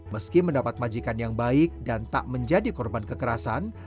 meski mendapat majikan yang baik dan tak menjadi korban kekerasan